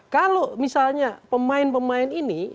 kalau misalnya pemain pemain ini